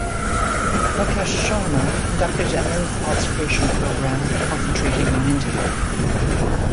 Rakesh Sharma conducted an Earth observation program concentrating on India.